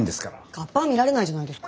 河童は見られないじゃないですか。